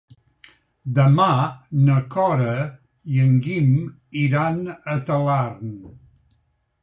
Demà na Cora i en Guim iran a Talarn.